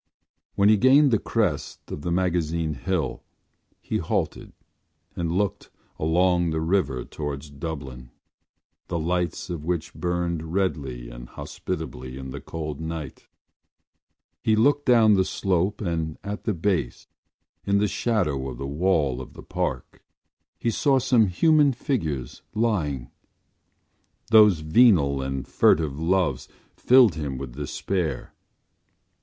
When he gained the crest of the Magazine Hill he halted and looked along the river towards Dublin, the lights of which burned redly and hospitably in the cold night. He looked down the slope and, at the base, in the shadow of the wall of the Park, he saw some human figures lying. Those venal and furtive loves filled him with despair.